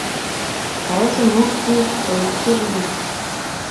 Kae sumuk chik koitchi ingweny